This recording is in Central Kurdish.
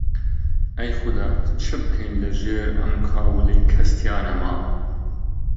ئەی خودا چ بکەین لەژێر ئەم کاولەی کەس تیا نەماو؟!